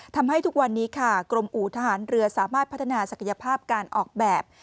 ทุกวันนี้ค่ะกรมอู่ทหารเรือสามารถพัฒนาศักยภาพการออกแบบ